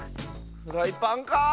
フライパンか？